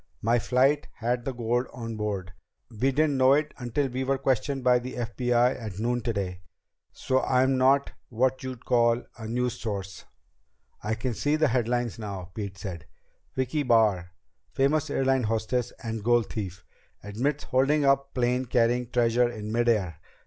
"My flight had the gold on board. We didn't know it until we were questioned by the FBI at noon today. So I'm not what you'd call a news source." "I can see the headlines now," Pete said. "Vicki Barr famous airlines hostess and gold thief. Admits holding up plane carrying treasure in mid air.